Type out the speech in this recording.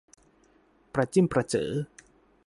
ประจิ้มประเจ๋อ